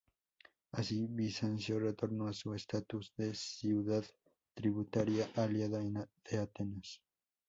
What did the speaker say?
Así Bizancio retornó a su estatus de ciudad tributaria-aliada de Atenas.